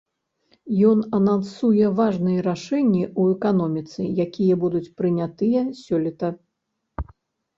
Ён анансуе важныя рашэнні ў эканоміцы, якія будуць прынятыя сёлета.